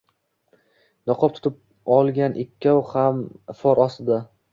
niqob tutib olgan ikkov ham ifor ostida